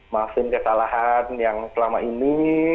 maafin kesalahan yang selama ini